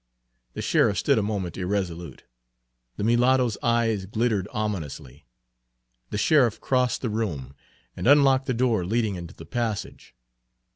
The sheriff stood a moment irresolute. The mulatto's eye glittered ominously. The sheriff crossed the room and unlocked the door leading into the passage.